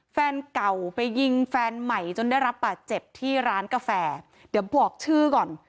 แฟนเก่าไปยิงแฟนใหม่จนได้รับบาดเจ็บที่ร้านกาแฟเดี๋ยวบอกชื่อก่อน